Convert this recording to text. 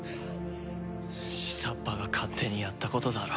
下っ端が勝手にやったことだろ。